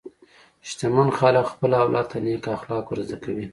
شتمن خلک خپل اولاد ته نېک اخلاق ورزده کوي.